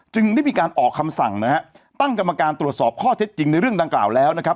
ได้มีการออกคำสั่งนะฮะตั้งกรรมการตรวจสอบข้อเท็จจริงในเรื่องดังกล่าวแล้วนะครับ